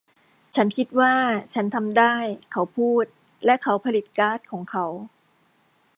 ฉันคิดว่าฉันทำได้เขาพูดและเขาผลิตการ์ดของเขา